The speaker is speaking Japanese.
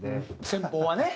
先方はね。